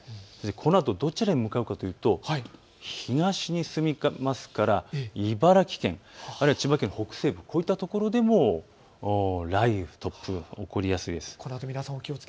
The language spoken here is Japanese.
このあとどちらに向かうかというと東に進みますから、茨城県、あるいは千葉県の北西部、こういった所でも雷雨、突風が起こりやすいです。